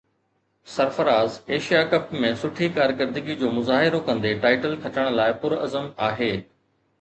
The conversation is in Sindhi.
سرفراز ايشيا ڪپ ۾ سٺي ڪارڪردگي جو مظاهرو ڪندي ٽائيٽل کٽڻ لاءِ پرعزم آهي